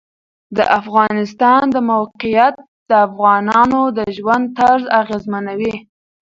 د افغانستان د موقعیت د افغانانو د ژوند طرز اغېزمنوي.